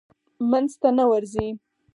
منځ ته نه ورځي.